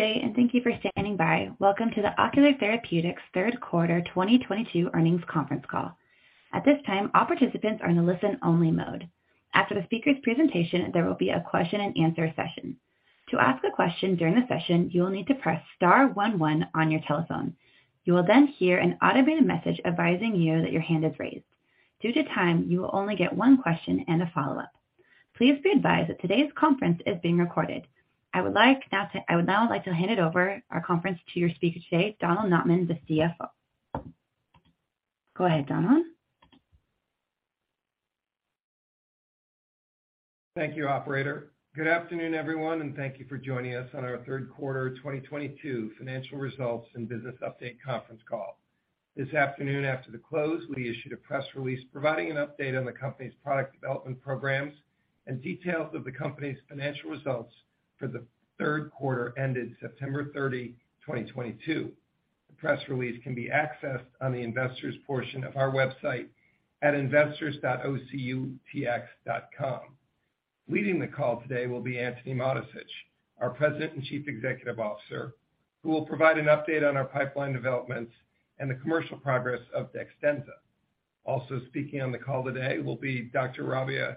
Good day, and thank you for standing by. Welcome to the Ocular Therapeutix Q3 2022 earnings conference call. At this time, all participants are in a listen-only mode. After the speaker's presentation, there will be a question-and-answer session. To ask a question during the session, you will need to press star one one on your telephone. You will then hear an automated message advising you that your hand is raised. Due to time, you will only get one question and a follow-up. Please be advised that today's conference is being recorded. I would now like to hand the conference over to your speaker today, Donald Notman, the CFO. Go ahead, Donald. Thank you, operator. Good afternoon, everyone, and thank you for joining us on our Q3 2022 financial results and business update conference call. This afternoon after the close, we issued a press release providing an update on the company's product development programs and details of the company's financial results for the Q3 ended September 30, 2022. The press release can be accessed on the investors portion of our website at investors.ocutx.com. Leading the call today will be Antony Mattessich, our President and Chief Executive Officer, who will provide an update on our pipeline developments and the commercial progress of DEXTENZA. Also speaking on the call today will be Dr. Rabia Gurses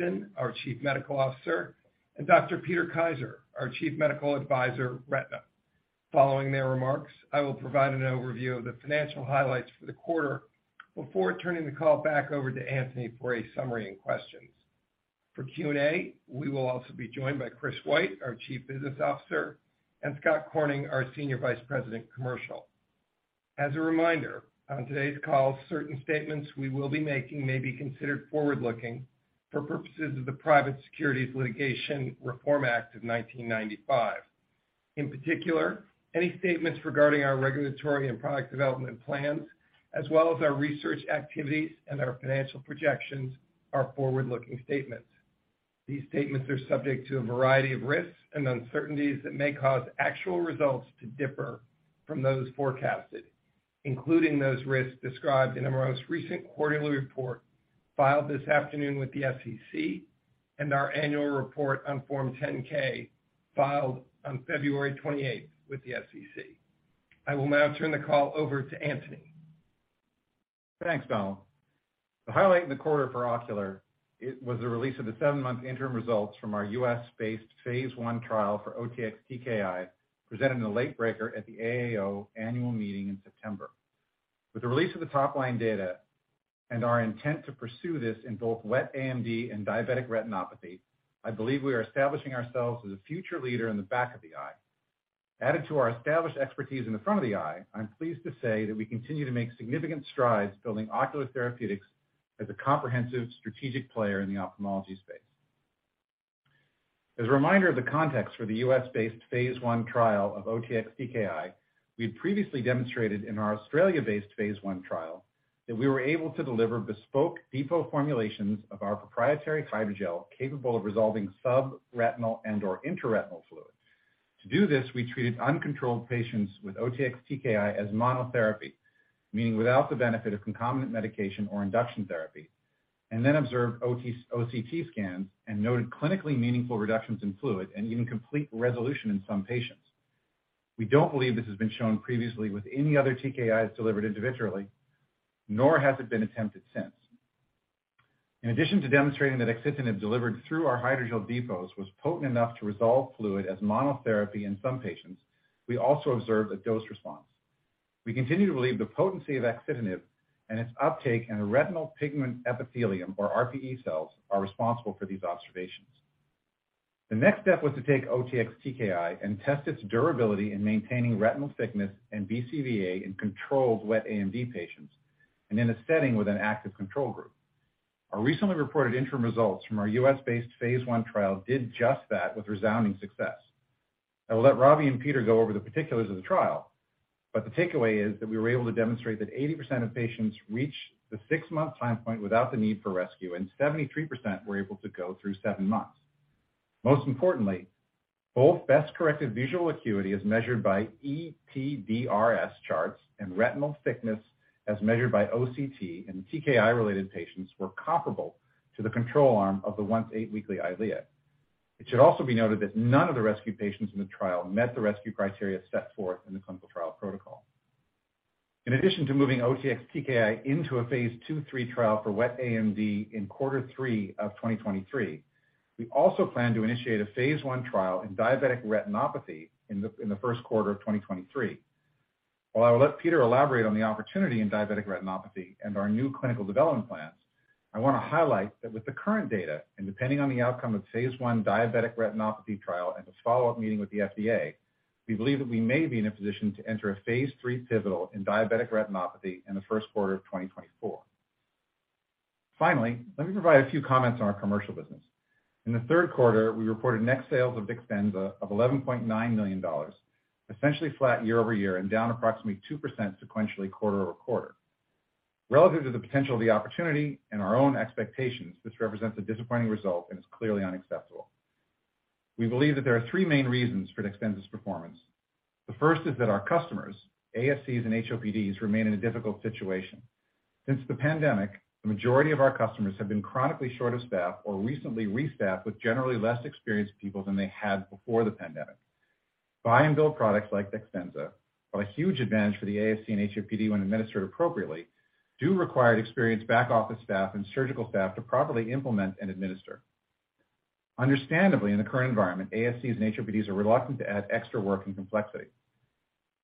Ozden, our Chief Medical Officer, and Dr. Peter Kaiser, our Chief Medical Advisor, Retina. Following their remarks, I will provide an overview of the financial highlights for the quarter before turning the call back over to Antony for a summary and questions. For Q&A, we will also be joined by Christopher White, our Chief Business Officer, and Scott Corning, our Senior Vice President, Commercial. As a reminder, on today's call, certain statements we will be making may be considered forward-looking for purposes of the Private Securities Litigation Reform Act of 1995. In particular, any statements regarding our regulatory and product development plans, as well as our research activities and our financial projections are forward-looking statements. These statements are subject to a variety of risks and uncertainties that may cause actual results to differ from those forecasted, including those risks described in our most recent quarterly report filed this afternoon with the SEC and our annual report on Form 10-K filed on February 28th with the SEC. I will now turn the call over to Antony. Thanks, Donald. The highlight in the quarter for Ocular Therapeutix, it was the release of the seven-month interim results from our U.S.-based phase I trial for OTX-TKI, presented in the late breaker at the AAO annual meeting in September. With the release of the top-line data and our intent to pursue this in both wet AMD and diabetic retinopathy, I believe we are establishing ourselves as a future leader in the back of the eye. Added to our established expertise in the front of the eye, I'm pleased to say that we continue to make significant strides building Ocular Therapeutix as a comprehensive strategic player in the ophthalmology space. As a reminder of the context for the U.S.-based phase I trial of OTX-TKI, we previously demonstrated in our Australia-based phase I trial that we were able to deliver bespoke depot formulations of our proprietary hydrogel capable of resolving subretinal and/or intraretinal fluids. To do this, we treated uncontrolled patients with OTX-TKI as monotherapy, meaning without the benefit of concomitant medication or induction therapy, and then observed OCT scans and noted clinically meaningful reductions in fluid and even complete resolution in some patients. We don't believe this has been shown previously with any other TKIs delivered individually, nor has it been attempted since. In addition to demonstrating that axitinib delivered through our hydrogel depots was potent enough to resolve fluid as monotherapy in some patients, we also observed a dose response. We continue to believe the potency of axitinib and its uptake in retinal pigment epithelium or RPE cells are responsible for these observations. The next step was to take OTX-TKI and test its durability in maintaining retinal thickness and BCVA in controlled wet AMD patients and in a setting with an active control group. Our recently reported interim results from our U.S.-based phase I trial did just that with resounding success. I will let Rabia and Peter go over the particulars of the trial, but the takeaway is that we were able to demonstrate that 80% of patients reached the six-month time point without the need for rescue, and 73% were able to go through seven months. Most importantly, both best-corrected visual acuity as measured by ETDRS charts and retinal thickness as measured by OCT in TKI-related patients were comparable to the control arm of the every-eight-week Eylea. It should also be noted that none of the rescue patients in the trial met the rescue criteria set forth in the clinical trial protocol. In addition to moving OTX-TKI into a phase II-III trial for wet AMD in Q3 of 2023, we also plan to initiate a phase I trial in diabetic retinopathy in the Q1 of 2023. While I will let Peter elaborate on the opportunity in diabetic retinopathy and our new clinical development plans, I want to highlight that with the current data, and depending on the outcome of phase I diabetic retinopathy trial and its follow-up meeting with the FDA, we believe that we may be in a position to enter a phase III pivotal in diabetic retinopathy in the Q1 of 2024. Finally, let me provide a few comments on our commercial business. In the Q3, we reported net sales of DEXTENZA of $11.9 million, essentially flat year-over-year and down approximately 2% sequentially quarter-over-quarter. Relative to the potential of the opportunity and our own expectations, this represents a disappointing result and is clearly unacceptable. We believe that there are three main reasons for DEXTENZA's performance. The first is that our customers, ASCs, and HOPDs, remain in a difficult situation. Since the pandemic, the majority of our customers have been chronically short of staff or recently restaffed with generally less experienced people than they had before the pandemic. Buy and bill products like DEXTENZA, while a huge advantage for the ASC and HOPD when administered appropriately, do require experienced back-office staff and surgical staff to properly implement and administer. Understandably, in the current environment, ASCs and HOPDs are reluctant to add extra work and complexity.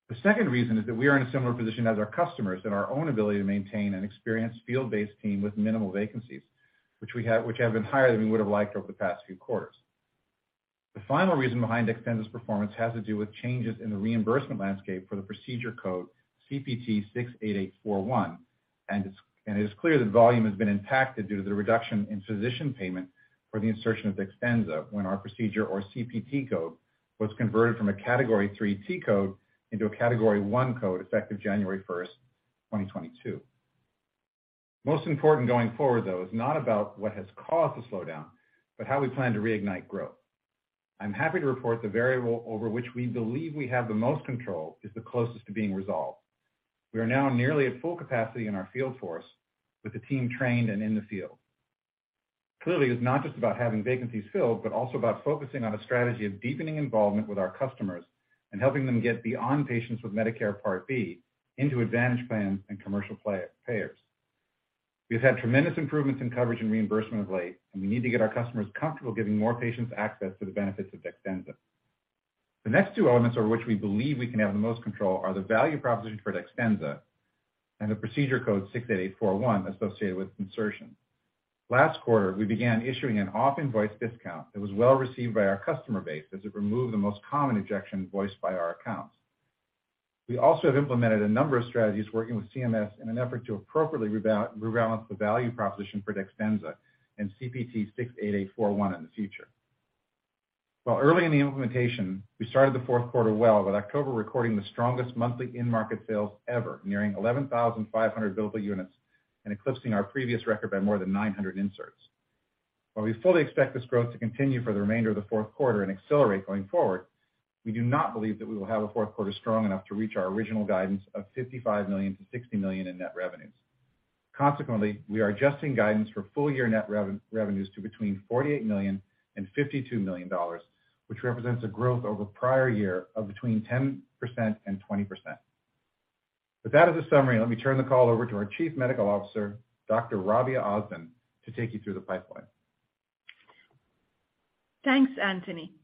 The second reason is that we are in a similar position as our customers in our own ability to maintain an experienced field-based team with minimal vacancies, which have been higher than we would have liked over the past few quarters. The final reason behind DEXTENZA's performance has to do with changes in the reimbursement landscape for the procedure code CPT 68841, and it is clear that volume has been impacted due to the reduction in physician payment for the insertion of DEXTENZA when our procedure or CPT code was converted from a category three T code into a category one code effective January 1st, 2022. Most important going forward, though, is not about what has caused the slowdown, but how we plan to reignite growth. I'm happy to report the variable over which we believe we have the most control is the closest to being resolved. We are now nearly at full capacity in our field force with the team trained and in the field. Clearly, it's not just about having vacancies filled, but also about focusing on a strategy of deepening involvement with our customers and helping them get beyond patients with Medicare Part B into advantage plans and commercial play-payers. We have had tremendous improvements in coverage and reimbursement of late, and we need to get our customers comfortable giving more patients access to the benefits of DEXTENZA. The next two elements over which we believe we can have the most control are the value proposition for DEXTENZA and the procedure code 68841 associated with insertion. Last quarter, we began issuing an off-invoice discount that was well-received by our customer base as it removed the most common objection voiced by our accounts. We also have implemented a number of strategies working with CMS in an effort to appropriately rebalance the value proposition for DEXTENZA and CPT 68841 in the future. While early in the implementation, we started the Q4 well, with October recording the strongest monthly in-market sales ever, nearing 11,500 billable units and eclipsing our previous record by more than 900 inserts. While we fully expect this growth to continue for the remainder of the Q4 and accelerate going forward, we do not believe that we will have a Q4 strong enough to reach our original guidance of $55 million to $60 million in net revenues. Consequently, we are adjusting guidance for full-year net revenues to between $48 million and $52 million, which represents a growth over prior year of between 10% and 20%. With that as a summary, let me turn the call over to our Chief Medical Officer, Dr. Rabia Gurses Ozden, to take you through the pipeline. Thanks, Antony.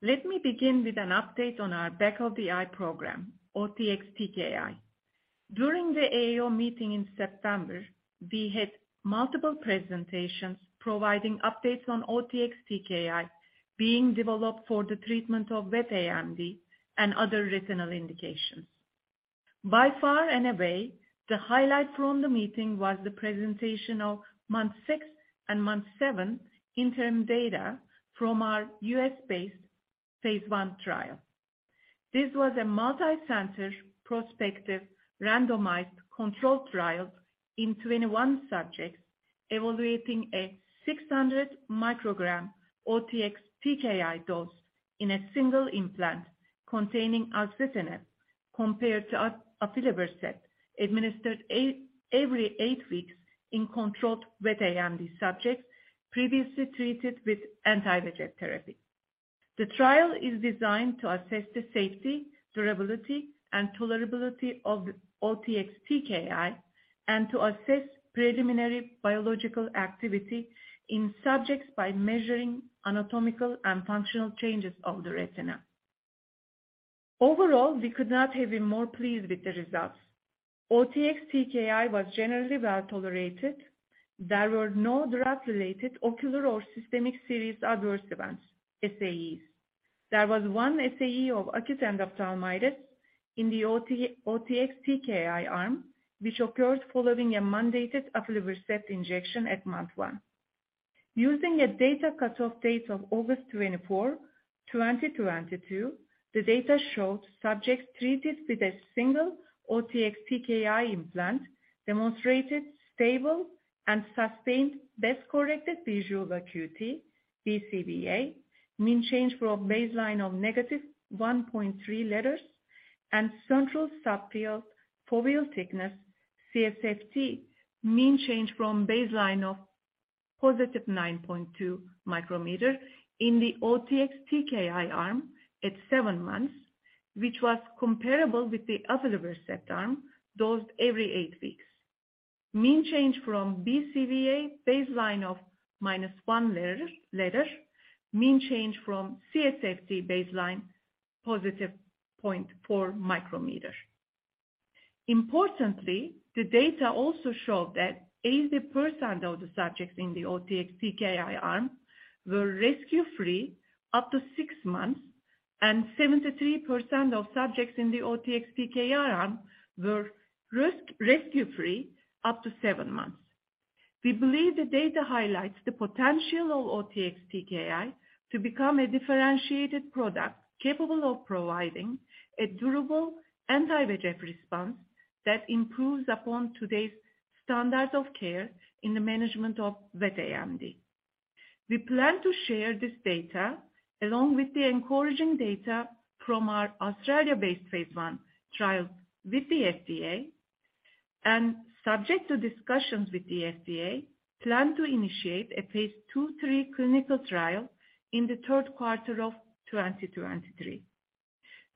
Let me begin with an update on our back of the eye program, OTX-TKI. During the AAO meeting in September, we had multiple presentations providing updates on OTX-TKI being developed for the treatment of wet AMD and other retinal indications. By far and away, the highlight from the meeting was the presentation of month six and month seven interim data from our U.S.-based phase I trial. This was a multicenter prospective randomized controlled trial in 21 subjects evaluating a 600 microgram OTX-TKI dose in a single implant containing axitinib compared to aflibercept administered every eight weeks in controlled wet AMD subjects previously treated with anti-VEGF therapy. The trial is designed to assess the safety, durability, and tolerability of OTX-TKI and to assess preliminary biological activity in subjects by measuring anatomical and functional changes of the retina. Overall, we could not have been more pleased with the results. OTX-TKI was generally well-tolerated. There were no drug-related ocular or systemic serious adverse events, SAEs. There was one SAE of acute endophthalmitis in the OTX-TKI arm, which occurred following a mandated aflibercept injection at month one. Using a data cut-off date of August 24, 2022, the data showed subjects treated with a single OTX-TKI implant demonstrated stable and sustained best-corrected visual acuity, BCVA, mean change from baseline of -1.3 letters, and central subfield foveal thickness, CSFT, mean change from baseline of +9.2 micrometer in the OTX-TKI arm at seven months, which was comparable with the aflibercept arm dosed every eight weeks. Mean change from BCVA baseline of -1 letter. Mean change from CSFT baseline +0.4 micrometer. Importantly, the data also showed that 80% of the subjects in the OTX-TKI arm were rescue-free up to six months, and 73% of subjects in the OTX-TKI arm were risk-rescue-free up to seven months. We believe the data highlights the potential of OTX-TKI to become a differentiated product capable of providing a durable anti-VEGF response that improves upon today's standards of care in the management of wet AMD. We plan to share this data along with the encouraging data from our Australia-based phase I trial with the FDA, and subject to discussions with the FDA, plan to initiate a phase II-III clinical trial in the Q3 of 2023.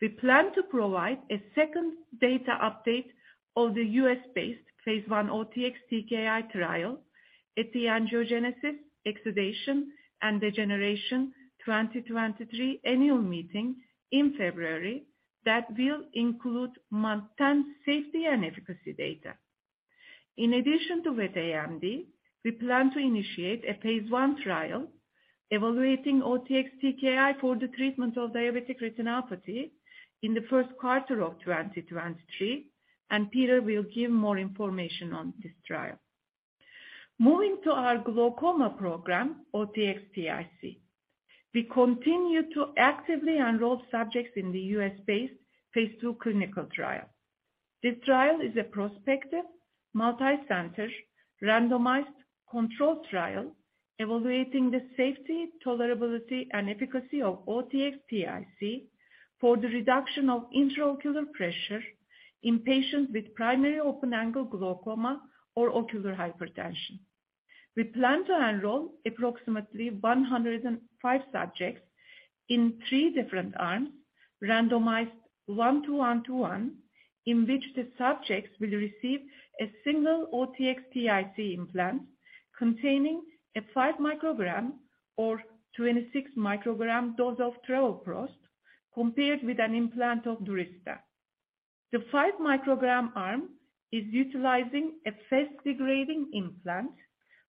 We plan to provide a second data update of the U.S.-based phase I OTX-TKI trial at the Angiogenesis, Exudation, and Degeneration 2023 annual meeting in February that will include month 10 safety and efficacy data. In addition to wet AMD, we plan to initiate a phase I trial evaluating OTX-TKI for the treatment of diabetic retinopathy in the Q1 of 2023, and Peter will give more information on this trial. Moving to our glaucoma program, OTX-TIC. We continue to actively enroll subjects in the U.S.-based phase II clinical trial. This trial is a prospective multicenter randomized controlled trial evaluating the safety, tolerability, and efficacy of OTX-TIC for the reduction of intraocular pressure in patients with primary open-angle glaucoma or ocular hypertension. We plan to enroll approximately 105 subjects in three different arms, randomized 1-to-1 to 1, in which the subjects will receive a single OTX-TIC implant containing a 5 microgram or 26 microgram dose of travoprost compared with an implant of DURYSTA. The 5 microgram arm is utilizing a fast-degrading implant,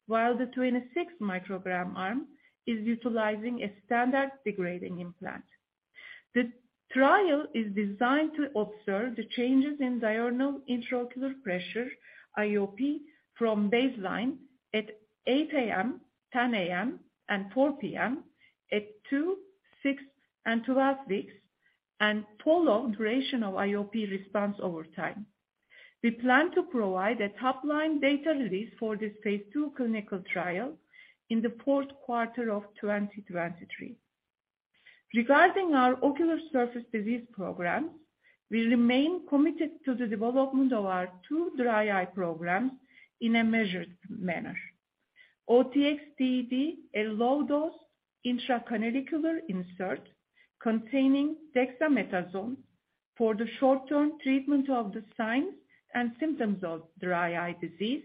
while the 26 microgram arm is utilizing a standard degrading implant. The trial is designed to observe the changes in diurnal intraocular pressure, IOP, from baseline at 8 A.M., 10 A.M., and 4 P.M. at two, six, and 12 weeks, and follow duration of IOP response over time. We plan to provide a top-line data release for this phase II clinical trial in the Q4 of 2023. Regarding our ocular surface disease programs, we remain committed to the development of our two dry eye programs in a measured manner. OTX-DED, a low-dose intracanalicular insert containing dexamethasone for the short-term treatment of the signs and symptoms of dry eye disease,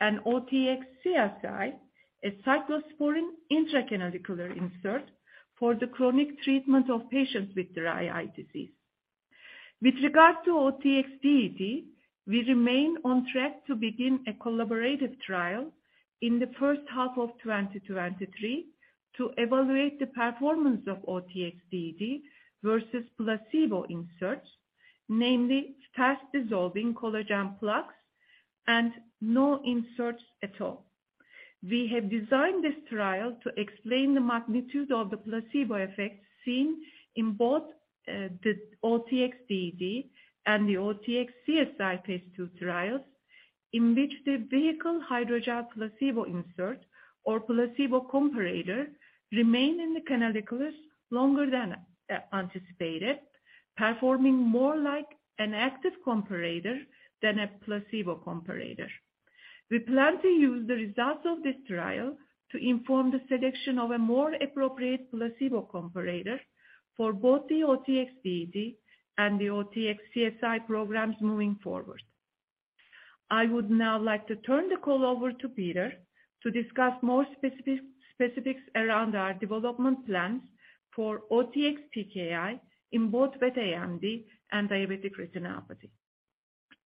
and OTX-CSI, a cyclosporine intracanalicular insert for the chronic treatment of patients with dry eye disease. With regards to OTX-DED, we remain on track to begin a collaborative trial in the H1 of 2023 to evaluate the performance of OTX-DED versus placebo inserts, namely fast-dissolving collagen plugs and no inserts at all. We have designed this trial to explain the magnitude of the placebo effect seen in both, the OTX-DED and the OTX-CSI phase II trials, in which the vehicle hydrogel placebo insert or placebo comparator remain in the canaliculus longer than anticipated, performing more like an active comparator than a placebo comparator. We plan to use the results of this trial to inform the selection of a more appropriate placebo comparator for both the OTX-DED and the OTX-CSI programs moving forward. I would now like to turn the call over to Peter to discuss more specifics around our development plans for OTX-TKI in both wet AMD and diabetic retinopathy.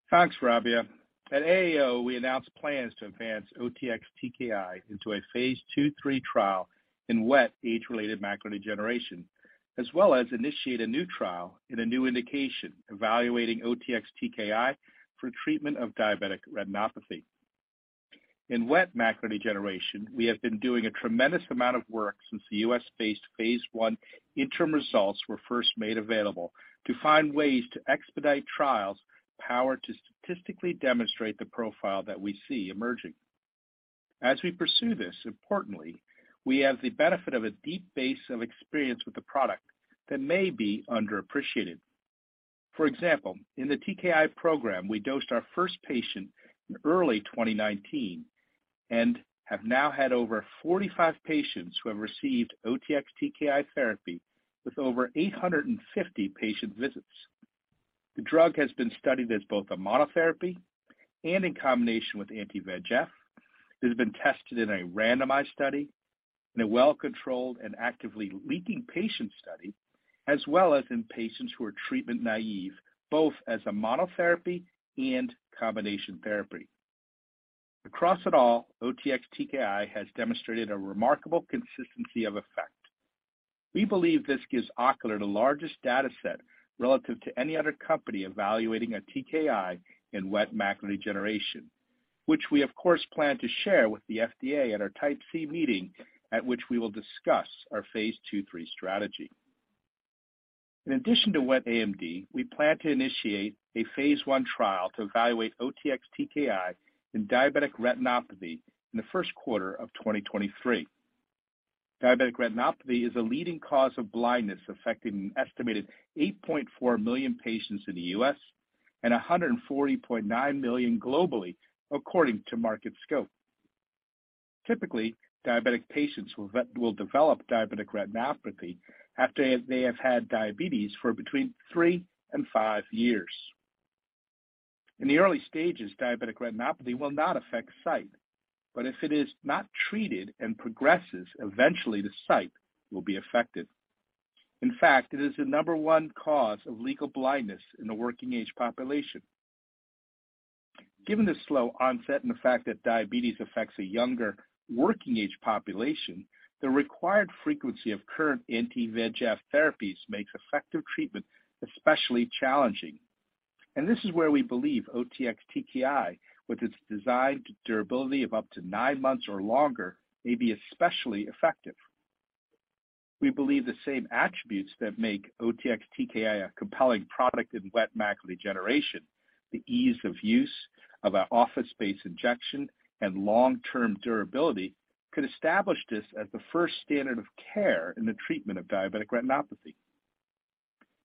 Thanks, Rabia. At AAO, we announced plans to advance OTX-TKI into phase II/III trial in wet age-related macular degeneration, as well as initiate a new trial in a new indication evaluating OTX-TKI for treatment of diabetic retinopathy. In wet macular degeneration, we have been doing a tremendous amount of work since the U.S.-based phase I interim results were first made available to find ways to expedite trials powered to statistically demonstrate the profile that we see emerging. As we pursue this, importantly, we have the benefit of a deep base of experience with the product that may be underappreciated. For example, in the TKI program, we dosed our first patient in early 2019 and have now had over 45 patients who have received OTX-TKI therapy with over 850 patient visits. The drug has been studied as both a monotherapy and in combination with anti-VEGF. It has been tested in a randomized study, in a well-controlled and actively leaking patient study, as well as in patients who are treatment naive, both as a monotherapy and combination therapy. Across it all, OTX-TKI has demonstrated a remarkable consistency of effect. We believe this gives Ocular the largest data set relative to any other company evaluating a TKI in wet macular degeneration, which we of course plan to share with the FDA at our Type C meeting at which we will discuss our phase II-III strategy. In addition to wet AMD, we plan to initiate a phase I trial to evaluate OTX-TKI in diabetic retinopathy in the Q1 of 2023. Diabetic retinopathy is a leading cause of blindness, affecting an estimated 8.4 million patients in the U.S. and 140.9 million globally, according to Market Scope. Typically, diabetic patients will develop diabetic retinopathy after they have had diabetes for between three and five years. In the early stages, diabetic retinopathy will not affect sight, but if it is not treated and progresses, eventually the sight will be affected. In fact, it is the number one cause of legal blindness in the working age population. Given the slow onset and the fact that diabetes affects a younger working age population, the required frequency of current anti-VEGF therapies makes effective treatment especially challenging. This is where we believe OTX-TKI, with its designed durability of up to nine months or longer, may be especially effective. We believe the same attributes that make OTX-TKI a compelling product in wet macular degeneration, the ease of use of our office-based injection and long-term durability, could establish this as the first standard of care in the treatment of diabetic retinopathy.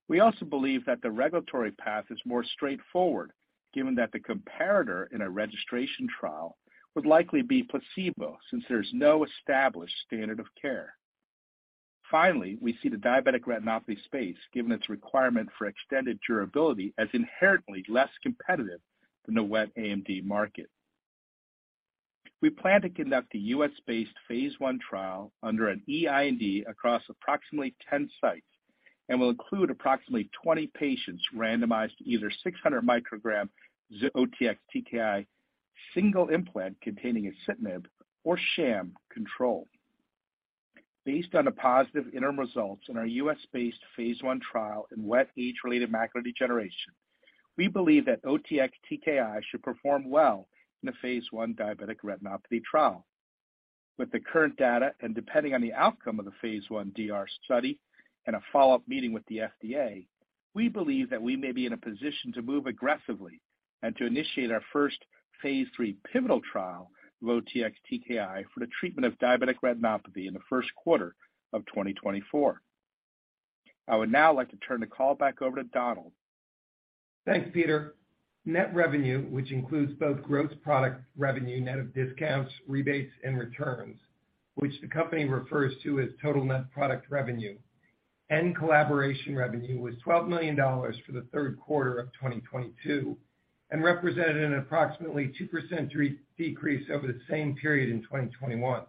We also believe that the regulatory path is more straightforward, given that the comparator in a registration trial would likely be placebo, since there's no established standard of care. Finally, we see the diabetic retinopathy space, given its requirement for extended durability, as inherently less competitive than the wet AMD market. We plan to conduct a U.S.-based phase I trial under an EIND across approximately 10 sites, and will include approximately 20 patients randomized to either 600-microgram OTX-TKI single implant containing axitinib or sham control. Based on the positive interim results in our U.S.-based phase I trial in wet age-related macular degeneration, we believe that OTX-TKI should perform well in the phase I diabetic retinopathy trial. With the current data, and depending on the outcome of the phase I DR study and a follow-up meeting with the FDA, we believe that we may be in a position to move aggressively and to initiate our first phase III pivotal trial of OTX-TKI for the treatment of diabetic retinopathy in the Q1 of 2024. I would now like to turn the call back over to Donald. Thanks, Peter. Net revenue, which includes both gross product revenue, net of discounts, rebates, and returns, which the company refers to as total net product revenue, and collaboration revenue was $12 million for the Q3 of 2022, and represented an approximately 2% decrease over the same period in 2021.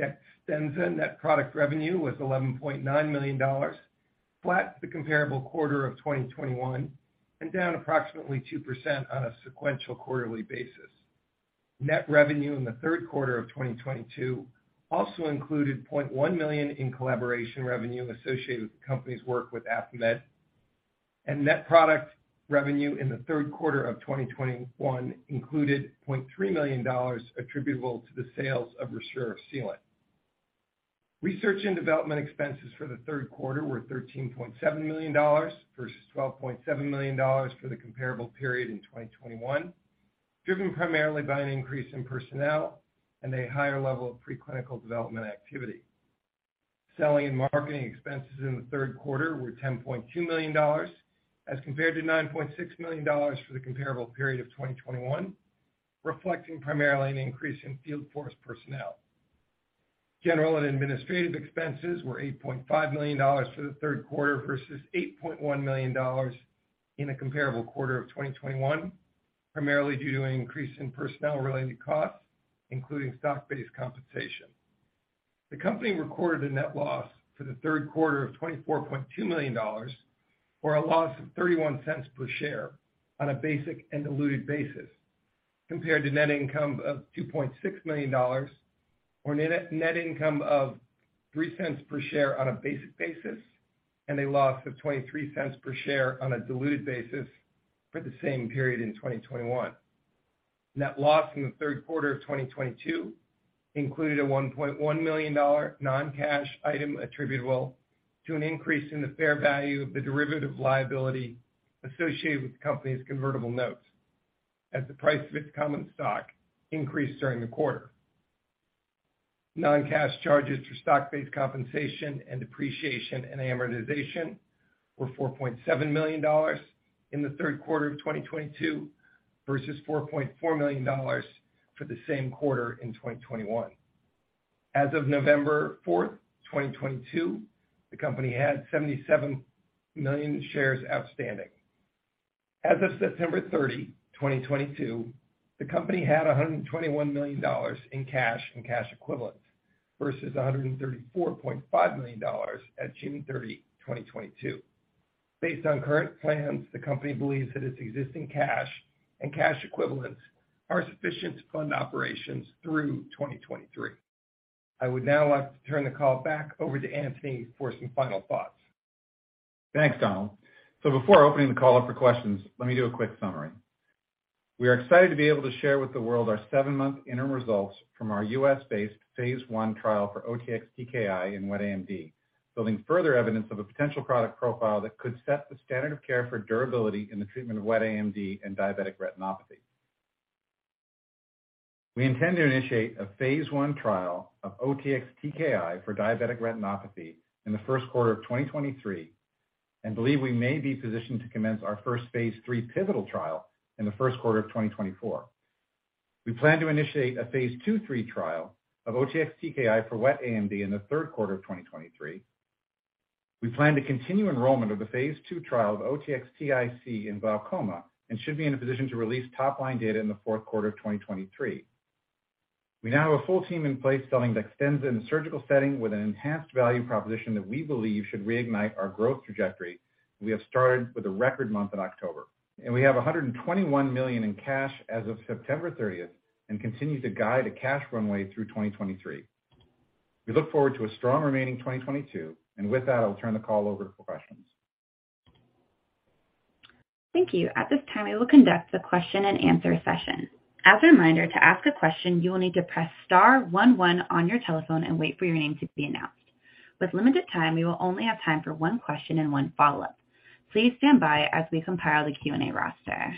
At DEXTENZA, net product revenue was $11.9 million, flat to the comparable quarter of 2021 and down approximately 2% on a sequential quarterly basis. Net revenue in the Q3 of 2022 also included $0.1 million in collaboration revenue associated with the company's work with AffaMed, and net product revenue in the Q3 of 2021 included $0.3 million attributable to the sales of ReSure Sealant. Research and Development expenses for the Q3 were $13.7 million versus $12.7 million for the comparable period in 2021, driven primarily by an increase in personnel and a higher level of preclinical development activity. Selling and marketing expenses in the Q3 were $10.2 million, as compared to $9.6 million for the comparable period of 2021, reflecting primarily an increase in field force personnel. General and administrative expenses were $8.5 million for the Q3 versus $8.1 million in the comparable quarter of 2021, primarily due to an increase in personnel-related costs, including stock-based compensation. The company recorded a net loss for the Q3 of $24.2 million, or a loss of $0.31 per share on a basic and diluted basis, compared to net income of $2.6 million, or net income of $0.3 per share on a basic basis and a loss of $0.23 per share on a diluted basis for the same period in 2021. Net loss in the Q3 of 2022 included a $1.1 million non-cash item attributable to an increase in the fair value of the derivative liability associated with the company's convertible notes, as the price of its common stock increased during the quarter. Non-cash charges for stock-based compensation and depreciation and amortization were $4.7 million in the Q3 of 2022 versus $4.4 million for the same quarter in 2021. As of November fourth, 2022, the company had 77 million shares outstanding. As of September thirty, 2022, the company had $121 million in cash and cash equivalents versus $134.5 million at June thirty, 2022. Based on current plans, the company believes that its existing cash and cash equivalents are sufficient to fund operations through 2023. I would now like to turn the call back over to Antony for some final thoughts. Thanks, Donald. Before opening the call up for questions, let me do a quick summary. We are excited to be able to share with the world our seven-month interim results from our U.S.-based phase I trial for OTX-TKI in wet AMD, building further evidence of a potential product profile that could set the standard of care for durability in the treatment of wet AMD and diabetic retinopathy. We intend to initiate a phase I trial of OTX-TKI for diabetic retinopathy in the Q1 of 2023, and believe we may be positioned to commence our first phase III pivotal trial in the Q1 of 2024. We plan to initiate phase II/III trial of OTX-TKI for wet AMD in the Q3 of 2023. We plan to continue enrollment of the phase II trial of OTX-TIC in glaucoma and should be in a position to release top-line data in the Q4 of 2023. We now have a full team in place selling DEXTENZA in the surgical setting with an enhanced value proposition that we believe should reignite our growth trajectory. We have started with a record month in October, and we have $121 million in cash as of September 30th and continue to guide a cash runway through 2023. We look forward to a strong remaining 2022. With that, I'll turn the call over for questions. Thank you. At this time, we will conduct the question-and-answer session. As a reminder, to ask a question, you will need to press star one one on your telephone and wait for your name to be announced. With limited time, we will only have time for one question and one follow-up. Please stand by as we compile the Q&A roster.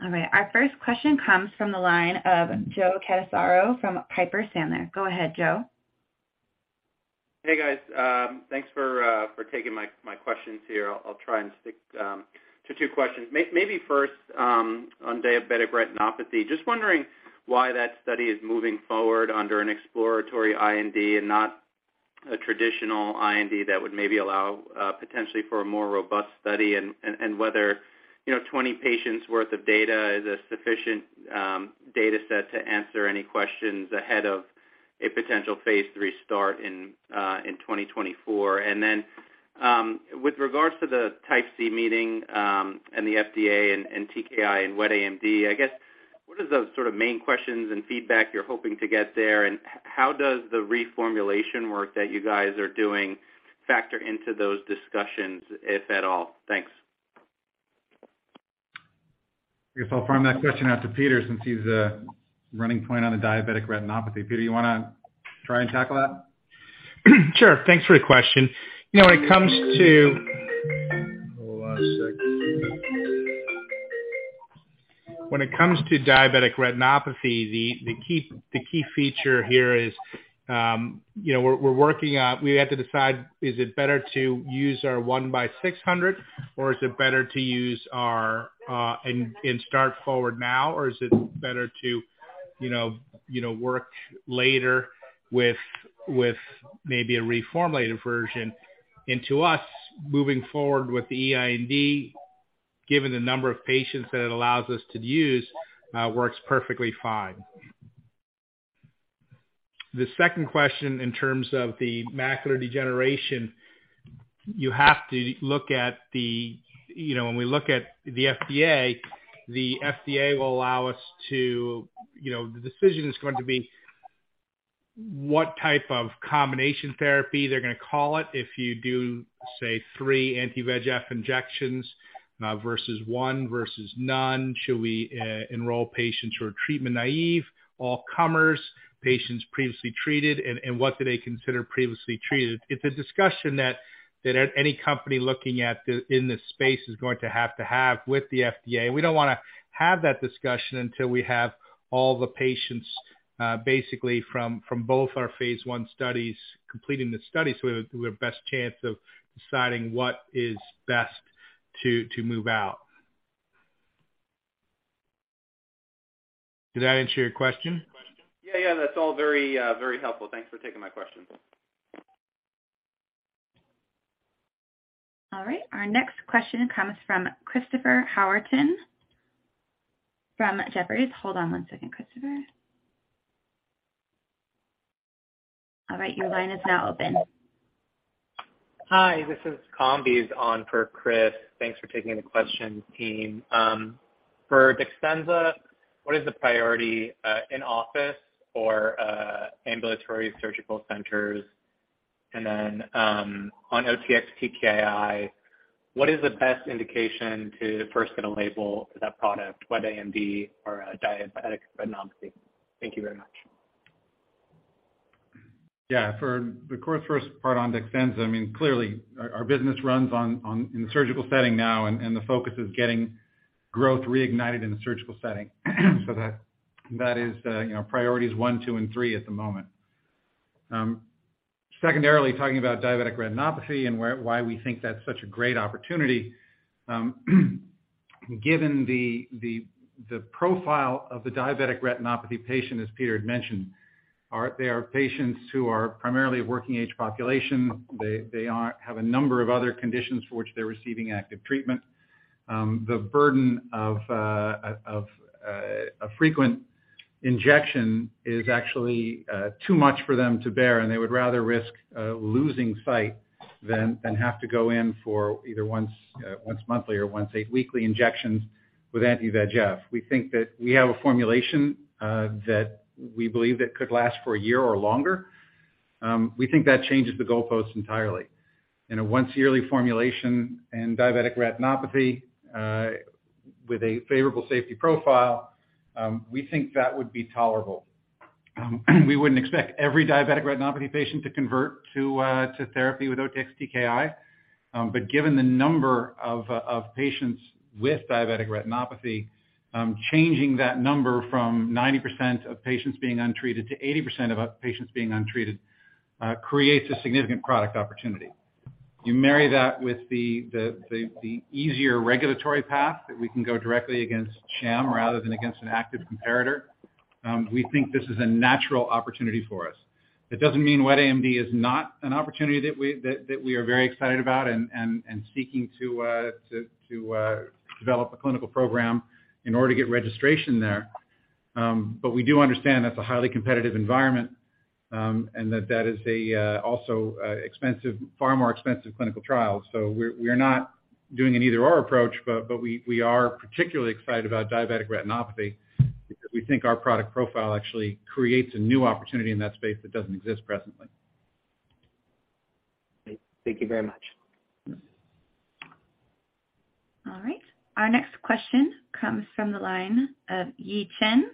All right. Our first question comes from the line of Joe Catanzaro from Piper Sandler. Go ahead, Joe. Hey, guys. Thanks for taking my questions here. I'll try and stick to two questions. Maybe first, on diabetic retinopathy. Just wondering why that study is moving forward under an exploratory IND and not a traditional IND that would maybe allow potentially for a more robust study and whether, you know, 20 patients' worth of data is a sufficient data set to answer any questions ahead of a potential phase III start in 2024. Then, with regards to the Type C meeting, and the FDA and TKI and wet AMD, I guess, what is the sort of main questions and feedback you're hoping to get there, and how does the reformulation work that you guys are doing factor into those discussions, if at all? Thanks. I guess I'll farm that question out to Peter since he's the point person on the diabetic retinopathy. Peter, you wanna try and tackle that? Sure. Thanks for the question. You know, when it comes to Hold on a sec. When it comes to diabetic retinopathy, the key feature here is, you know, we have to decide, is it better to use our 1 /600, or is it better to use our and start forward now, or is it better to, you know, work later with maybe a reformulated version? To us, moving forward with the eIND, given the number of patients that it allows us to use, works perfectly fine. The second question in terms of the macular degeneration, you have to look at the. You know, when we look at the FDA, the FDA will allow us to, you know, the decision is going to be what type of combination therapy they're gonna call it if you do, say, three anti-VEGF injections, versus one, versus none. Should we enroll patients who are treatment naive, all comers, patients previously treated, and what do they consider previously treated? It's a discussion that any company looking at this space is going to have to have with the FDA. We don't wanna have that discussion until we have all the patients basically from both our phase one studies completing the study so we have best chance of deciding what is best to move out. Did that answer your question? Yeah. Yeah. That's all very, very helpful. Thanks for taking my questions. All right. Our next question comes from Christopher Howerton from Jefferies. Hold on one second, Christopher. All right, your line is now open. Hi, this is Kombi on for Chris. Thanks for taking the question, team. For DEXTENZA, what is the priority in office for ambulatory surgical centers? On OTX-TKI, what is the best indication to first get a label for that product, wet AMD or diabetic retinopathy? Thank you very much. Yeah. For the core first part on DEXTENZA, I mean, clearly our business runs on in the surgical setting now, and the focus is getting growth reignited in the surgical setting. That is, you know, priorities one, two, and three at the moment. Secondarily, talking about diabetic retinopathy and why we think that's such a great opportunity, given the profile of the diabetic retinopathy patient, as Peter had mentioned, they are patients who are primarily working age population. They have a number of other conditions for which they're receiving active treatment. The burden of a frequent injection is actually too much for them to bear, and they would rather risk losing sight than have to go in for either once monthly or once weekly injections with anti-VEGF. We think that we have a formulation that we believe that could last for a year or longer. We think that changes the goalpost entirely. In a once yearly formulation in diabetic retinopathy with a favorable safety profile, we think that would be tolerable. We wouldn't expect every diabetic retinopathy patient to convert to therapy with OTX-TKI. But given the number of patients with diabetic retinopathy, changing that number from 90% of patients being untreated to 80% of patients being untreated creates a significant product opportunity. You marry that with the easier regulatory path that we can go directly against sham rather than against an active comparator. We think this is a natural opportunity for us. That doesn't mean wet AMD is not an opportunity that we are very excited about and seeking to develop a clinical program in order to get registration there. We do understand that's a highly competitive environment, and that is also expensive, far more expensive clinical trial. We're not doing an either/or approach, but we are particularly excited about diabetic retinopathy because we think our product profile actually creates a new opportunity in that space that doesn't exist presently. Great. Thank you very much. All right. Our next question comes from the line of Yi Chen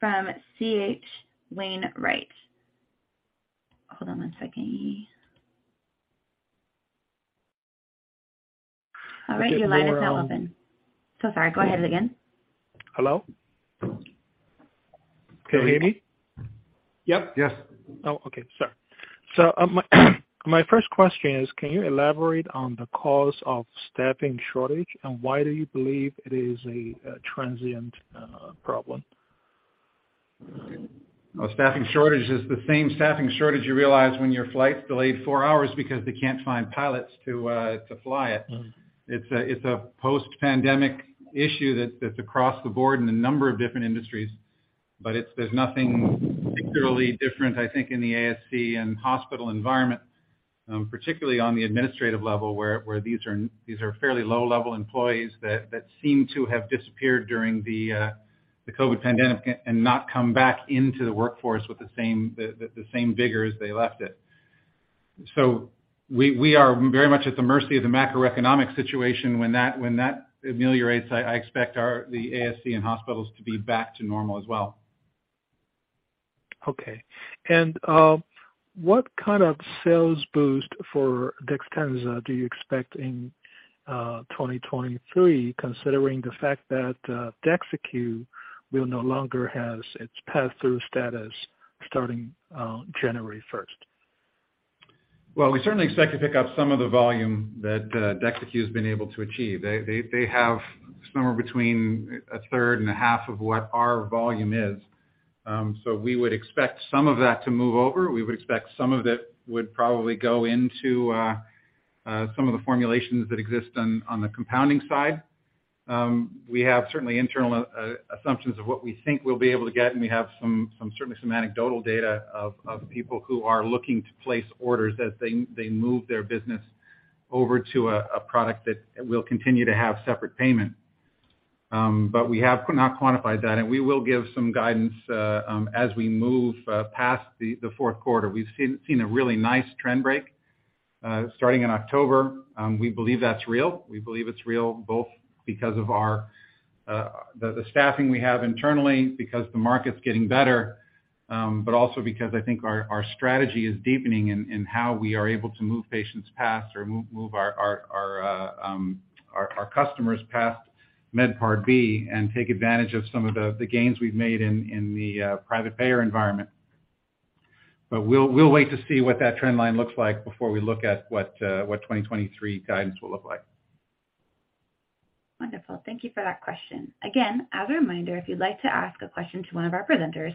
from H.C. Wainwright. Hold on one second, Yi. All right. Your line is now open. So sorry. Go ahead again. Hello? Can you hear me? Yep. Yes. Oh, okay. Sorry. My first question is, can you elaborate on the cause of staffing shortage and why do you believe it is a transient problem? Well, staffing shortage is the same staffing shortage you realize when your flight's delayed 4 hours because they can't find pilots to fly it. Mm-hmm. It's a post-pandemic issue that's across the board in a number of different industries. There's nothing particularly different, I think, in the ASC and hospital environment, particularly on the administrative level where these are fairly low-level employees that seem to have disappeared during the COVID pandemic and not come back into the workforce with the same vigor as they left it. We are very much at the mercy of the macroeconomic situation. When that ameliorates, I expect our ASC and hospitals to be back to normal as well. Okay. What kind of sales boost DEXTENZA do you expect in 2023, considering the fact that Dexycu will no longer has its pass-through status starting January 1st? Well, we certainly expect to pick up some of the volume that Dexycu has been able to achieve. They have somewhere between 1/3 and 1/2 of what our volume is. We would expect some of that to move over. We would expect some of it would probably go into some of the formulations that exist on the compounding side. We have certainly internal assumptions of what we think we'll be able to get, and we have certainly some anecdotal data of people who are looking to place orders as they move their business over to a product that will continue to have separate payment. We have not quantified that, and we will give some guidance as we move past the Q4. We've seen a really nice trend break starting in October. We believe that's real. We believe it's real both because of the staffing we have internally, because the market's getting better, but also because I think our strategy is deepening in how we are able to move our customers past Medicare Part B and take advantage of some of the gains we've made in the private payer environment. We'll wait to see what that trend line looks like before we look at what 2023 guidance will look like. Wonderful. Thank you for that question. Again, as a reminder, if you'd like to ask a question to one of our presenters,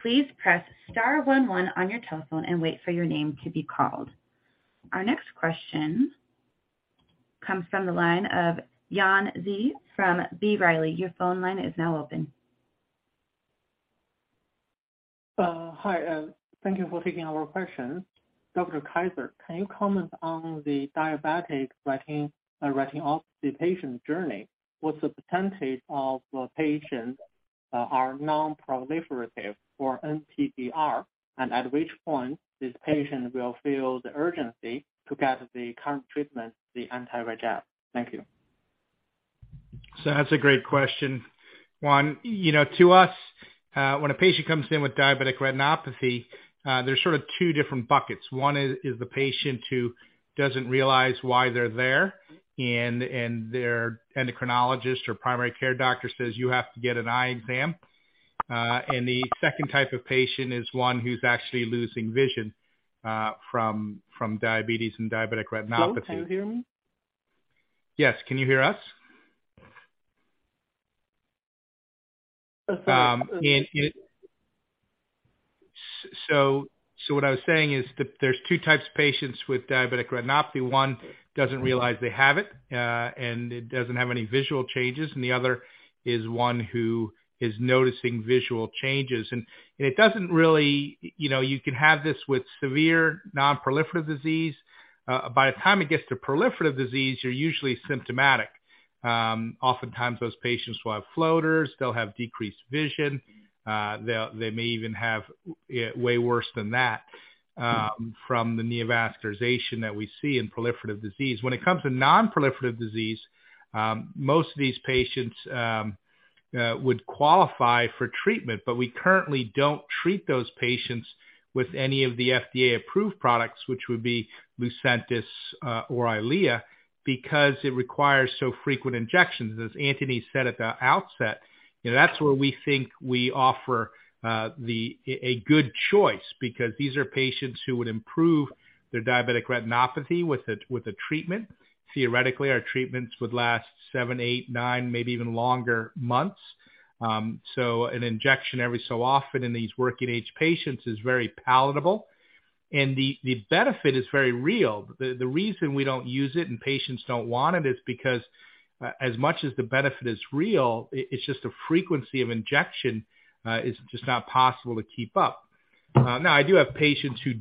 please press star one one on your telephone and wait for your name to be called. Our next question comes from the line of Yanan Zhai from B. Riley. Your phone line is now open. Hi. Thank you for taking our question. Dr. Kaiser, can you comment on the diabetic retinopathy patient journey? What's the percentage of the patients are non-proliferative for NPDR? At which point this patient will feel the urgency to get the current treatment, the anti-VEGF? Thank you. That's a great question, Yanan. You know, to us, when a patient comes in with diabetic retinopathy, there's sort of two different buckets. One is the patient who doesn't realize why they're there, and their endocrinologist or primary care doctor says, "You have to get an eye exam." The second type of patient is one who's actually losing vision from diabetes and diabetic retinopathy. Joe, can you hear me? Yes. Can you hear us? Sorry. What I was saying is that there's two types of patients with diabetic retinopathy. One doesn't realize they have it, and it doesn't have any visual changes, and the other is one who is noticing visual changes. It doesn't really you know, you can have this with severe non-proliferative disease. By the time it gets to proliferative disease, you're usually symptomatic. Oftentimes those patients will have floaters, they'll have decreased vision, they may even have it way worse than that, from the neovascularization that we see in proliferative disease. When it comes to non-proliferative disease, most of these patients would qualify for treatment, but we currently don't treat those patients with any of the FDA-approved products, which would be LUCENTIS or Eylea, because it requires so frequent injections. As Antony said at the outset, you know, that's where we think we offer a good choice because these are patients who would improve their diabetic retinopathy with a treatment. Theoretically, our treatments would last seven, eight, nine, maybe even longer months. An injection every so often in these working age patients is very palatable. The benefit is very real. The reason we don't use it and patients don't want it is because as much as the benefit is real, it's just the frequency of injection is just not possible to keep up. Now I do have patients who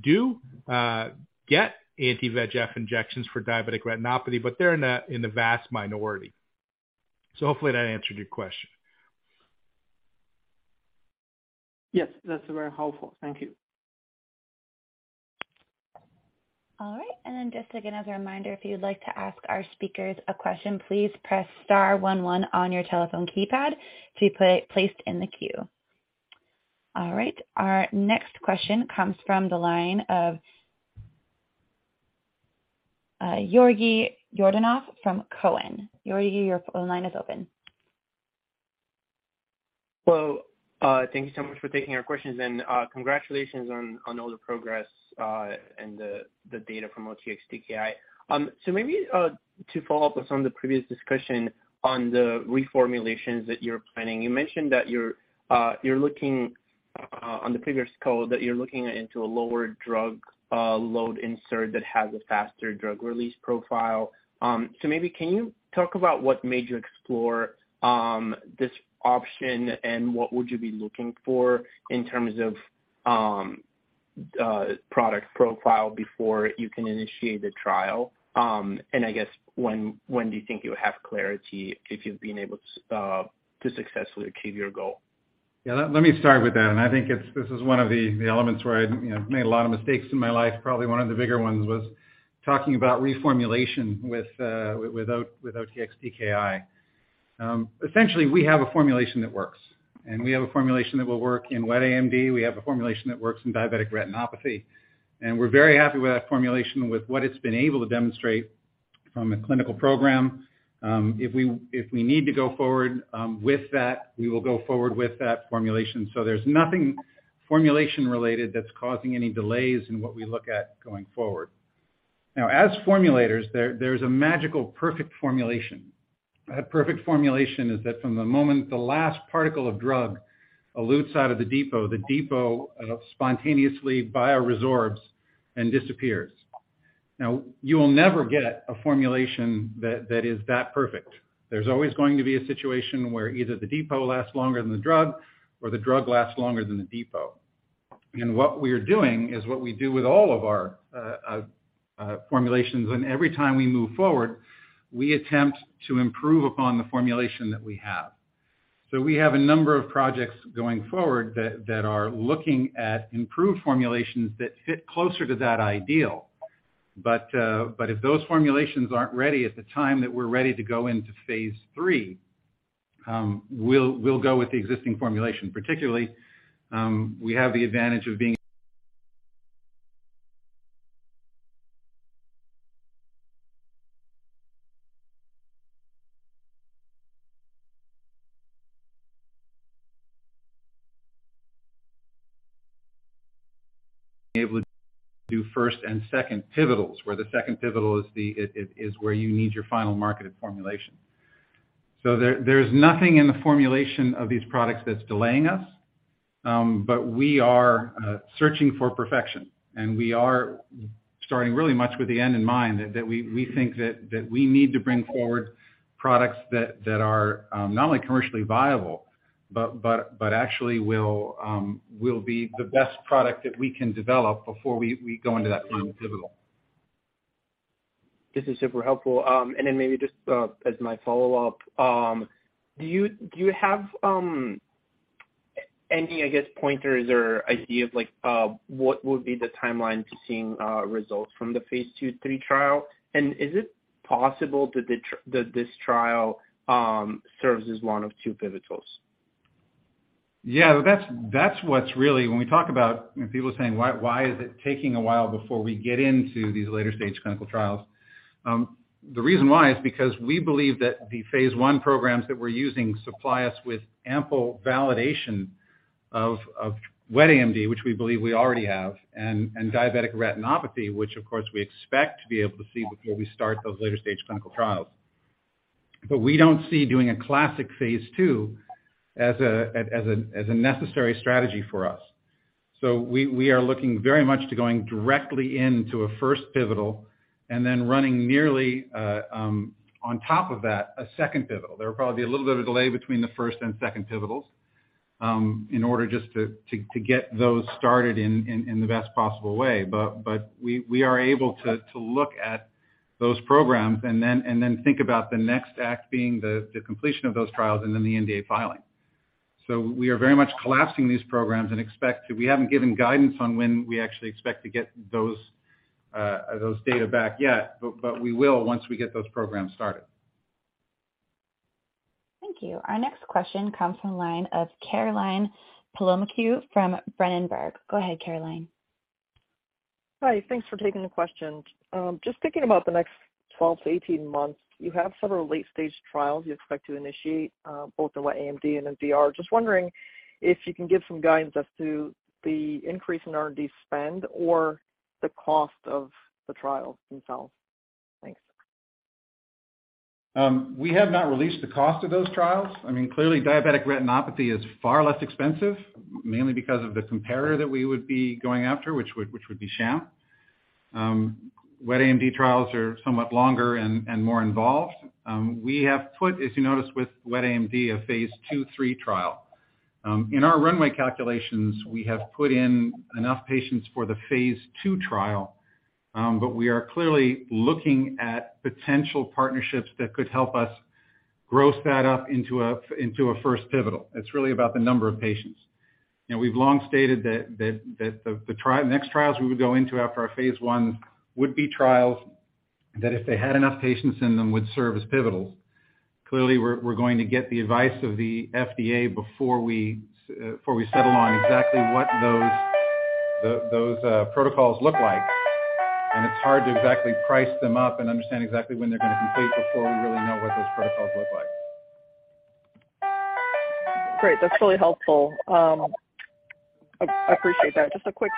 get anti-VEGF injections for diabetic retinopathy, but they're in the vast minority. Hopefully that answered your question. Yes. That's very helpful. Thank you. All right. Just again, as a reminder, if you'd like to ask our speakers a question, please press star one one on your telephone keypad to be placed in the queue. All right. Our next question comes from the line of Georgi Yordanov from Cowen. Georgi, your phone line is open. Well, thank you so much for taking our questions and congratulations on all the progress and the data from OTX-TKI. Maybe to follow up with some of the previous discussion on the reformulations that you're planning. You mentioned that on the previous call you're looking into a lower drug load insert that has a faster drug release profile. Maybe can you talk about what made you explore this option and what would you be looking for in terms of product profile before you can initiate the trial? I guess when do you think you'll have clarity if you've been able to successfully achieve your goal? Yeah. Let me start with that. I think it's this is one of the elements where I, you know, made a lot of mistakes in my life. Probably one of the bigger ones was talking about reformulation with OTX-TKI. Essentially, we have a formulation that works, and we have a formulation that will work in wet AMD. We have a formulation that works in diabetic retinopathy, and we're very happy with that formulation with what it's been able to demonstrate from a clinical program. If we need to go forward with that, we will go forward with that formulation. There's nothing formulation related that's causing any delays in what we look at going forward. Now, as formulators, there's a magical, perfect formulation. A perfect formulation is that from the moment the last particle of drug elutes out of the depot, the depot spontaneously bioresorbs and disappears. Now, you will never get a formulation that is that perfect. There's always going to be a situation where either the depot lasts longer than the drug or the drug lasts longer than the depot. What we are doing is what we do with all of our formulations, and every time we move forward, we attempt to improve upon the formulation that we have. We have a number of projects going forward that are looking at improved formulations that fit closer to that ideal. If those formulations aren't ready at the time that we're ready to go into phase III, we'll go with the existing formulation. Particularly, we have the advantage of being able to do first and second pivotals, where the second pivotal is where you need your final marketed formulation. There's nothing in the formulation of these products that's delaying us, but we are searching for perfection, and we are starting really much with the end in mind that we think that we need to bring forward products that are not only commercially viable, but actually will be the best product that we can develop before we go into that final pivotal. This is super helpful. Maybe just as my follow-up. Do you have any, I guess, pointers or idea of like what would be the timeline to seeing results from phase II/III trial? Is it possible that this trial serves as one of two pivotals? Yeah. That's what's really. When we talk about, you know, people saying, why is it taking a while before we get into these later stage clinical trials? The reason why is because we believe that the phase I programs that we're using supply us with ample validation of wet AMD, which we believe we already have, and diabetic retinopathy, which of course, we expect to be able to see before we start those later stage clinical trials. We don't see doing a classic phase II as a necessary strategy for us. We are looking very much to going directly into a first pivotal and then running in parallel on top of that, a second pivotal. There will probably be a little bit of a delay between the first and second pivotals in order just to get those started in the best possible way. We are able to look at those programs and then think about the next act being the completion of those trials and then the NDA filing. We are very much collapsing these programs. We haven't given guidance on when we actually expect to get those data back yet, but we will once we get those programs started. Thank you. Our next question comes from the line of Caroline Palomeque from Berenberg. Go ahead, Caroline. Hi. Thanks for taking the question. Just thinking about the next 12-18 months, you have several late-stage trials you expect to initiate, both in wet AMD and in DR. Just wondering if you can give some guidance as to the increase in R&D spend or the cost of the trials themselves. Thanks. We have not released the cost of those trials. I mean, clearly diabetic retinopathy is far less expensive, mainly because of the comparator that we would be going after, which would be sham. Wet AMD trials are somewhat longer and more involved. We have put, as you noticed, with wet AMD, phase II/III trial. In our runway calculations, we have put in enough patients for the phase II trial, but we are clearly looking at potential partnerships that could help us grow that up into a first pivotal. It's really about the number of patients. Now, we've long stated that the next trials we would go into after our phase I would be trials that if they had enough patients in them, would serve as pivotals. Clearly, we're going to get the advice of the FDA before we settle on exactly what those protocols look like. It's hard to exactly price them up and understand exactly when they're gonna complete before we really know what those protocols look like. Great. That's really helpful. I appreciate that. Just a quick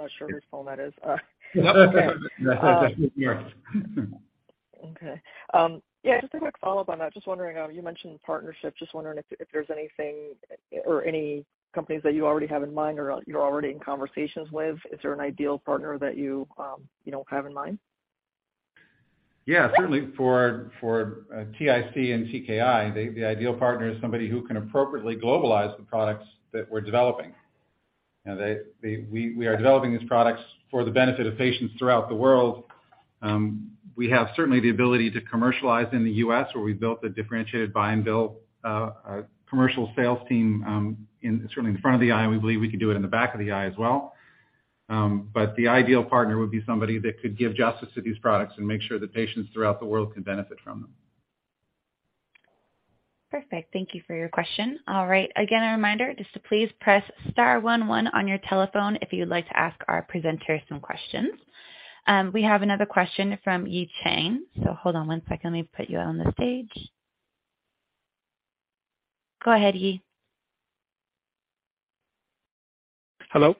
follow-up. Not sure whose phone that is. That's me. Yes. Okay. Yeah, just a quick follow-up on that. Just wondering, you mentioned partnership. Just wondering if there's anything or any companies that you already have in mind or you're already in conversations with. Is there an ideal partner that you know, have in mind? Yeah, certainly for TIC and TKI, the ideal partner is somebody who can appropriately globalize the products that we're developing. You know, we are developing these products for the benefit of patients throughout the world. We have certainly the ability to commercialize in the U.S., where we've built a differentiated buy and bill commercial sales team, certainly in the front of the eye, and we believe we can do it in the back of the eye as well. The ideal partner would be somebody that could give justice to these products and make sure that patients throughout the world can benefit from them. Perfect. Thank you for your question. All right. Again, a reminder, just to please press star one one on your telephone if you'd like to ask our presenters some questions. We have another question from Yi Chen. Hold on one second. Let me put you on the stage. Go ahead, Yi Chen. Hello.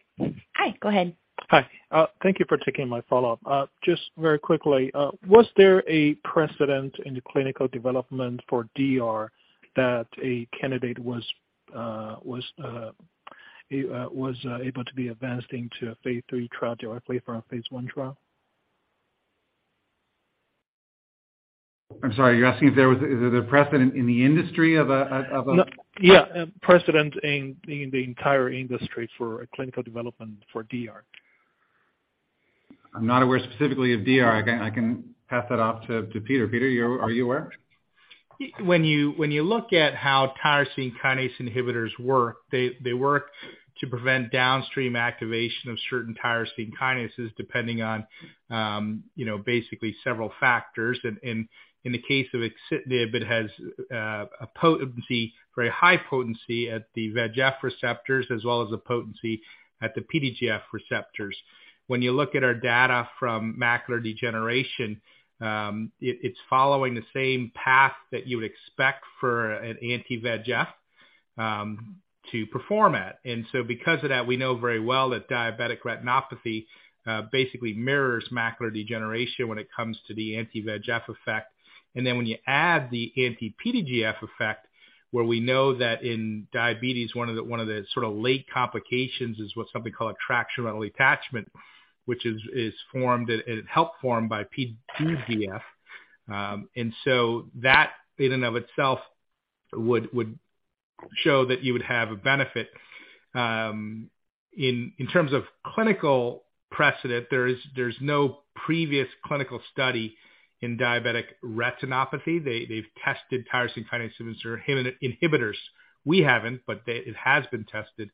Hi. Go ahead. Hi. Thank you for taking my follow-up. Just very quickly, was there a precedent in the clinical development for DR that a candidate was able to be advanced into a phase III trial directly from a phase I trial? I'm sorry. Is it a precedent in the industry of a No. Yeah, a precedent in the entire industry for a clinical development for DR. I'm not aware specifically of DR. I can pass that off to Peter. Peter, are you aware? When you look at how tyrosine kinase inhibitors work, they work to prevent downstream activation of certain tyrosine kinases depending on, you know, basically several factors. In the case of axitinib, it has a potency, very high potency at the VEGF receptors as well as the potency at the PDGF receptors. When you look at our data from macular degeneration, it's following the same path that you would expect for an anti-VEGF to perform at. Because of that, we know very well that diabetic retinopathy basically mirrors macular degeneration when it comes to the anti-VEGF effect. When you add the anti-PDGF effect, where we know that in diabetes, one of the sorta late complications is something called a tractional retinal detachment, which is formed and helped formed by PDGF. That in and of itself would show that you would have a benefit. In terms of clinical precedent, there's no previous clinical study in diabetic retinopathy. They've tested tyrosine kinase inhibitors. We haven't, but it has been tested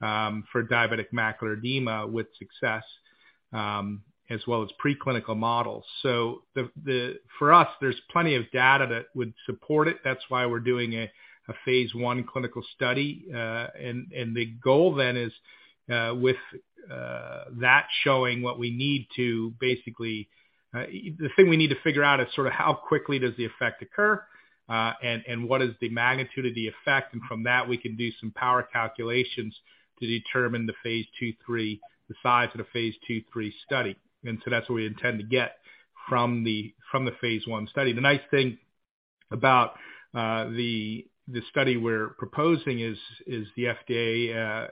for diabetic macular edema with success, as well as preclinical models. For us, there's plenty of data that would support it. That's why we're doing a phase I clinical study. The goal then is, with that showing what we need to basically, the thing we need to figure out is sorta how quickly does the effect occur, and what is the magnitude of the effect. From that, we can do some power calculations to determine phase II/III, the size of phase II/III study. That's what we intend to get from the phase I study. The nice thing About the study we're proposing is the FDA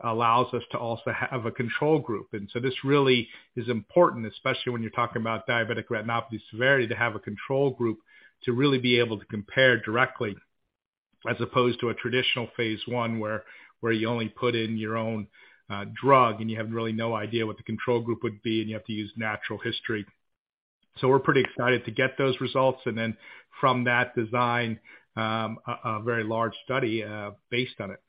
allows us to also have a control group. This really is important, especially when you're talking about diabetic retinopathy severity, to have a control group to really be able to compare directly, as opposed to a traditional phase I, where you only put in your own drug and you have really no idea what the control group would be, and you have to use natural history. We're pretty excited to get those results. Then from that design, a very large study based on it.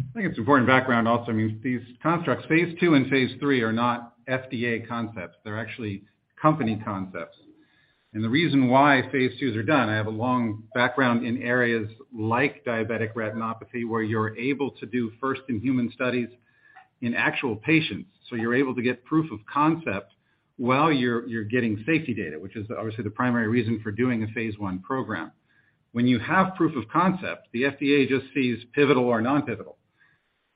I think it's important background also means these constructs. phase II and phase III are not FDA concepts. They're actually company concepts. The reason why phase IIs are done, I have a long background in areas like diabetic retinopathy, where you're able to do first-in-human studies in actual patients, so you're able to get proof of concept while you're getting safety data, which is obviously the primary reason for doing a phase I program. When you have proof of concept, the FDA just sees pivotal or non-pivotal.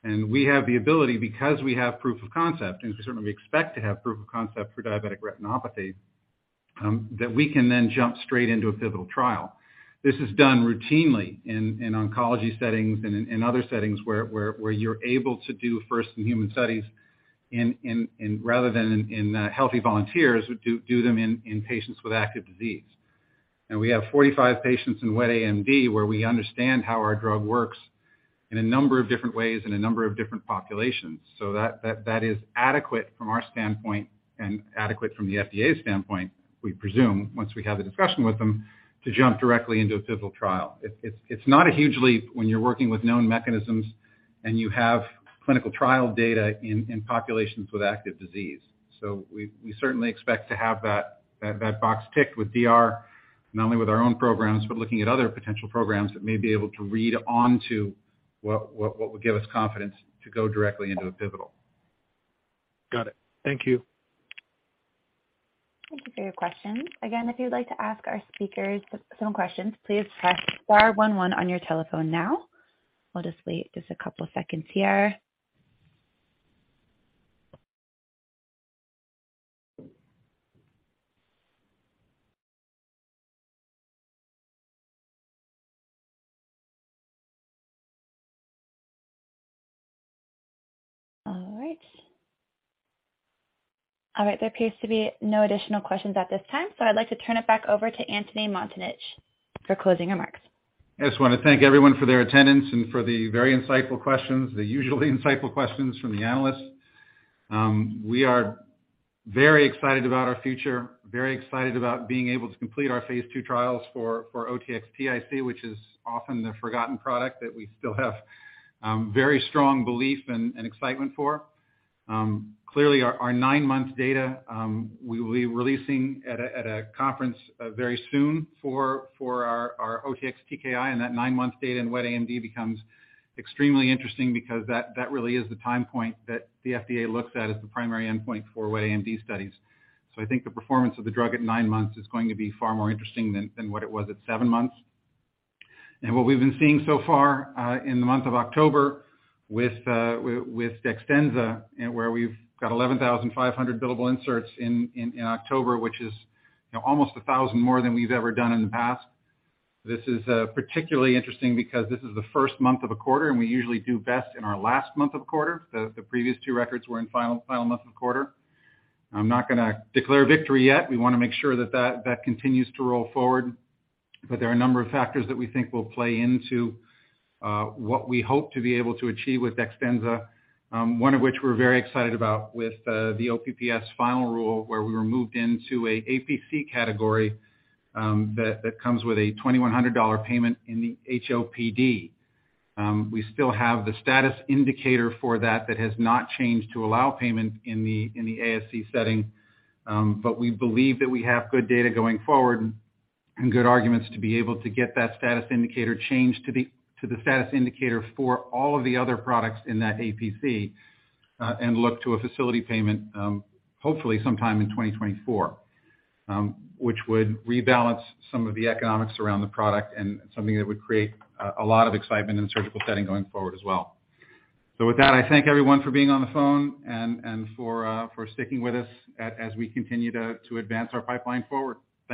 We have the ability, because we have proof of concept, and we certainly expect to have proof of concept for diabetic retinopathy, that we can then jump straight into a pivotal trial. This is done routinely in oncology settings and in other settings where you're able to do first-in-human studies in, rather than in healthy volunteers, do them in patients with active disease. We have 45 patients in wet AMD, where we understand how our drug works in a number of different ways in a number of different populations. That is adequate from our standpoint and adequate from the FDA's standpoint, we presume, once we have the discussion with them to jump directly into a pivotal trial. It's not a huge leap when you're working with known mechanisms and you have clinical trial data in populations with active disease. We certainly expect to have that box ticked with DR, not only with our own programs, but looking at other potential programs that may be able to read onto what would give us confidence to go directly into a pivotal. Got it. Thank you. Thank you for your questions. Again, if you'd like to ask our speakers some questions, please press star one one on your telephone now. We'll just wait just a couple of seconds here. All right. There appears to be no additional questions at this time, so I'd like to turn it back over to Antony Mattessich for closing remarks. I just wanna thank everyone for their attendance and for the very insightful questions, the usually insightful questions from the analysts. We are very excited about our future, very excited about being able to complete our phase II trials for OTX-TIC, which is often the forgotten product that we still have very strong belief and excitement for. Clearly, our nine-month data we will be releasing at a conference very soon for our OTX-TKI. That nine-month data in wet AMD becomes extremely interesting because that really is the time point that the FDA looks at as the primary endpoint for wet AMD studies. I think the performance of the drug at nine months is going to be far more interesting than what it was at seven months. What we've been seeing so far in the month of October with DEXTENZA, where we've got 11,500 billable inserts in October, which is, you know, almost 1,000 more than we've ever done in the past. This is particularly interesting because this is the first month of a quarter, and we usually do best in our last month of quarter. The previous two records were in final month of quarter. I'm not gonna declare victory yet. We wanna make sure that that continues to roll forward. There are a number of factors that we think will play into what we hope to be able to achieve with DEXTENZA, one of which we're very excited about with the OPPS final rule, where we were moved into an APC category, that comes with a $2,100 payment in the HOPD. We still have the status indicator for that has not changed to allow payment in the ASC setting. We believe that we have good data going forward and good arguments to be able to get that status indicator changed to the status indicator for all of the other products in that APC, and look to a facility payment, hopefully sometime in 2024, which would rebalance some of the economics around the product and something that would create a lot of excitement in the surgical setting going forward as well. With that, I thank everyone for being on the phone and for sticking with us as we continue to advance our pipeline forward.